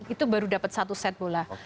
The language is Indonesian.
itu baru dapat satu set bola